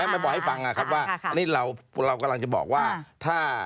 ไม่บอกให้ฟังนะครับว่าอันนี้เรากำลังจะบอกว่าถ้า